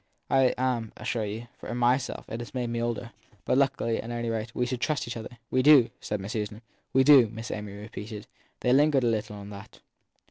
I am, I assure you, for myself it has made me older. But, luckily, at any rate, we trust each other. We do, said Miss Susan. We do, Miss Amy repeated they lingered a little on that.